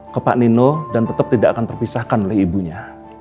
ke pak nino dan tetap tidak akan terpisahkan oleh ibunya